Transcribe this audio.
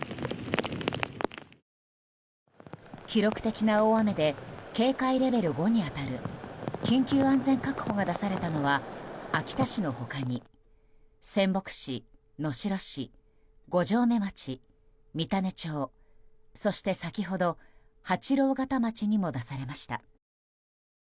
記録的な大雨で警戒レベル５に当たる緊急安全確保が出されたのは秋田市の他に仙北市、能代市五城目町、三種町そして、先ほど八郎潟町にも出されました。